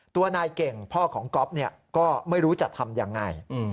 ตัวนายเก่งพ่อของก๊อฟก็ไม่รู้จะทำยังไง